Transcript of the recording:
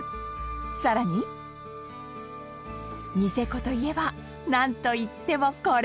更に、ニセコといえばなんといっても、これ！